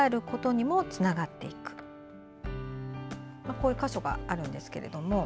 こういう箇所があるんですけど。